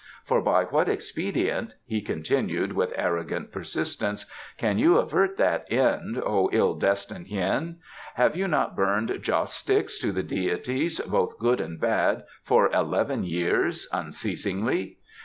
For by what expedient," he continued, with arrogant persistence, "can you avert that end, O ill destined Hien? Have you not burned joss sticks to the deities, both good and bad, for eleven years unceasingly?